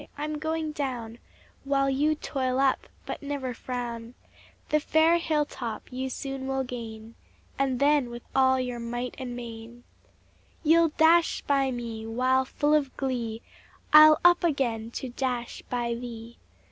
I'm going down, While you toil up; but never frown; The far hill top you soon will gain, And then, with all your might and main, You'll dash by me; while, full of glee, I'll up again to dash by thee!